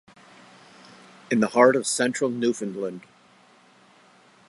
In the heart of central Newfoundland.